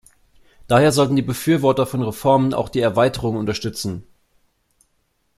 Daher sollten die Befürworter von Reformen auch die Erweiterung unterstützen.